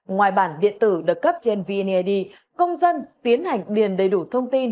ngoài bản điện tử được cấp trên vned công dân tiến hành điền đầy đủ thông tin